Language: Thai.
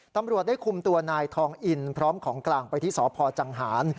ตำรวจได้คุมตัวนายทองอินพร้อมของกลางไปที่สพจังหาร